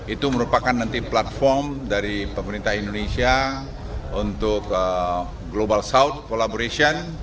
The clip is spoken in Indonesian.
itu merupakan nanti platform dari pemerintah indonesia untuk global south collaboration